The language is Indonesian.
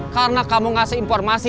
karena kamu ngasih informasi